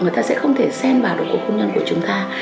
người ta sẽ không thể sen vào được cuộc hôn nhân của chúng ta